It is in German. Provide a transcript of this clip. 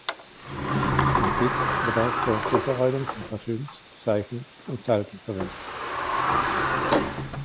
Macis wird auch zur Zubereitung von Parfüms, Seifen und Salben verwendet.